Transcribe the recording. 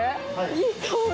いい香り。